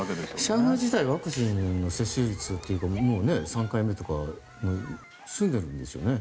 上海自体はワクチンの接種率は３回目とか済んでいるんですよね。